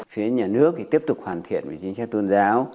phía nhà nước thì tiếp tục hoàn thiện về chính sách tôn giáo